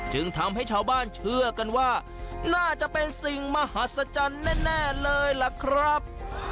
จึงทำให้ชาวบ้านเชื่อกันว่าน่าจะเป็นสิ่งมหัศจรรย์แน่เลยล่ะครับ